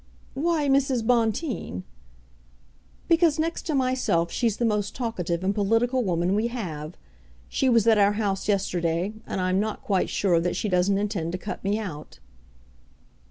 "Why Mrs. Bonteen?" "Because next to myself she's the most talkative and political woman we have. She was at our house yesterday, and I'm not quite sure that she doesn't intend to cut me out."